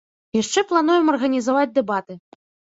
Яшчэ плануем арганізаваць дэбаты.